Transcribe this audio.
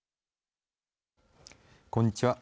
こんにちは。